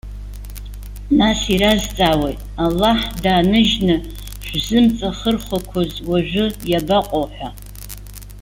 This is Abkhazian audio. Нас иразҵаауеит:- Аллаҳ дааныжьны шәзымҵахырхәақәоз уажәы иабаҟоу?- ҳәа.